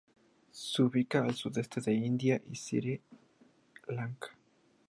Se ubica al sudeste de la India y en Sri Lanka.